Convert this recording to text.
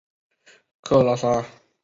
克拉桑。